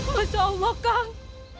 masya allah kang